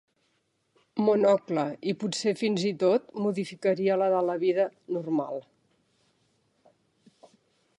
Monocle i potser fins i tot modificaria la de La Vida normal.